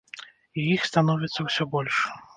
І іх становіцца ўсё больш.